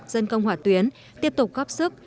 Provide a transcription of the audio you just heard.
dân công hỏa tuyến tiếp tục góp sức